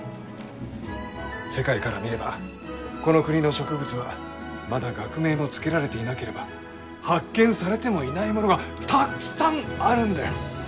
世界から見ればこの国の植物はまだ学名も付けられていなければ発見されてもいないものがたっくさんあるんだよ！